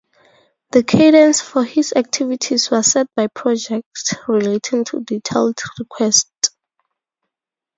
The cadence for his activities was set by projects relating to detailed requests.